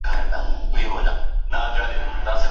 ايا ته په پوهنتون کي سبق وايې؟